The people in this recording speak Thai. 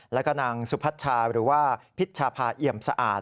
แล้วก็นางสุพัชชาหรือว่าพิชภาเอี่ยมสะอาด